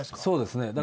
そうですね。